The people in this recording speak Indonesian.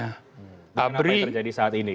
kenapa terjadi saat ini